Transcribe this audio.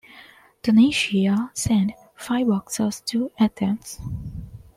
Tunisia sent five boxers to Athens.